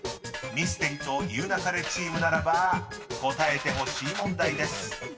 ［ミステリと言う勿れチームならば答えてほしい問題です］